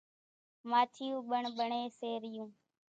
ماڇِيوُن ٻڻٻڻيَ سي ريون۔